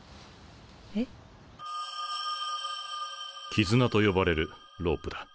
キズナと呼ばれるロープだ。